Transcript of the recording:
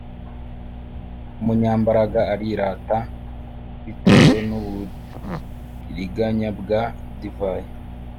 w umunyambaraga arirata f bitewe n uburiganya bwa divayi